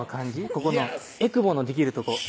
ここのえくぼのできるとこ